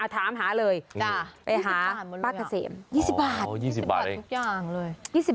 ถามหาเลยไปหาป้ากะเสม